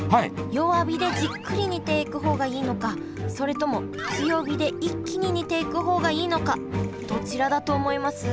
弱火でじっくり煮ていく方がいいのかそれとも強火で一気に煮ていく方がいいのかどちらだと思います？